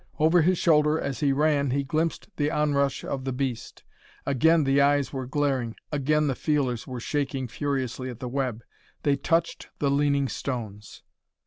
Over his shoulder, as he ran, he glimpsed the onrush of the beast. Again the eyes were glaring, again the feelers were shaking furiously at the web. They touched the leaning stones!